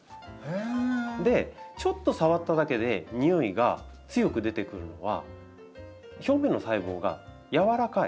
でちょっと触っただけでにおいが強く出てくるのは表面の細胞が軟らかい。